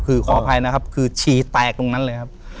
คือขออภัยนะครับคือฉี่แตกตรงนั้นเลยครับ